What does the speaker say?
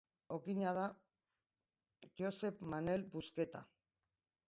Okina da Josep Manel Busqueta.